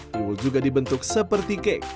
tiwul juga dibentuk seperti kek